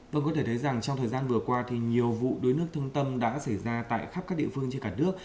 vâng có thể thấy rằng trong thời gian vừa qua thì nhiều vụ đuối nước thương tâm đã xảy ra tại khắp các địa phương trên cả nước